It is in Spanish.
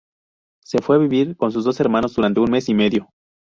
Se fue a vivir con sus dos hermanos durante un mes y medio.